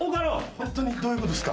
ホントにどういうことっすか？